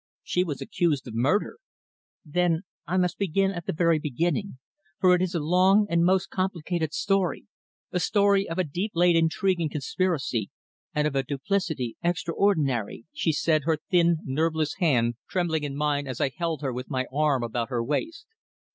She was accused of murder. "Then I must begin at the very beginning, for it is a long and most complicated story, a story of a deep laid intrigue and conspiracy, and of a duplicity extraordinary," she said, her thin, nerveless hand trembling in mine as I held her with my arm about her waist.